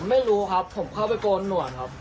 ไม่รู้ครับผมเข้าไปโกนหนวดครับ